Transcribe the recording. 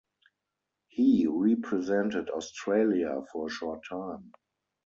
He represented Australia for a short time.